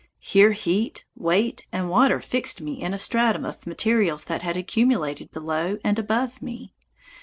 Here heat, weight, and water fixed me in a stratum of materials that had accumulated below and above me.